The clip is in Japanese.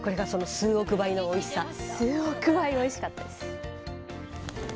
数億倍おいしかったです。